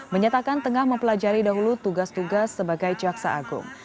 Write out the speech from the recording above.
menyatakan tengah mempelajari dahulu tugas tugas sebagai jaksa agung